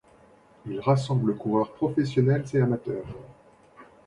Il rassemble coureurs professionnels et amateurs.